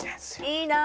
いいな！